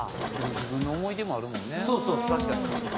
自分の思い出もあるもんね。